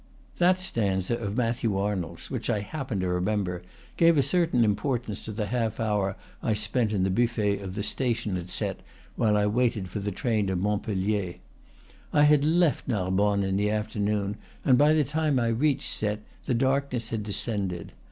That stanza of Matthew Arnold's, which I hap pened to remember, gave a certain importance to the half hour I spent in the buffet of the station at Cette while I waited for the train to Montpellier. I had left Narbonne in the afternoon, and by the time I reached Cette the darkness had descended.